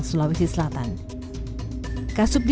pembeli memiliki kekuatan yang sangat tinggi